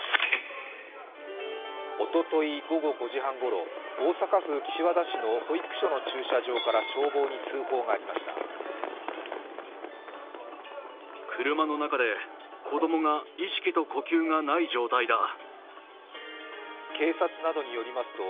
おととい午後５時半ごろ大阪府岸和田市の保育所の駐車場から消防に通報がありました。